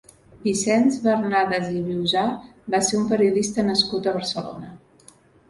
Vicenç Bernades i Viusà va ser un periodista nascut a Barcelona.